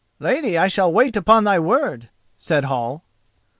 "Lady, I shall wait upon thy word," said Hall.